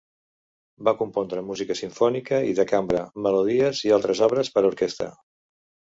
Va compondre música simfònica i de cambra, melodies i altres obres per a orquestra.